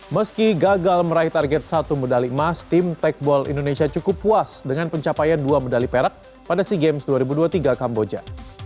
meski gagal meraih target satu medali emas tim techbol indonesia cukup puas dengan pencapaian dua medali perak pada sea games dua ribu dua puluh tiga kamboja